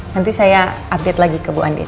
nanti saya update lagi ke bu andi